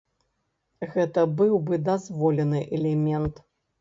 Гэта быў бы дазволены элемент.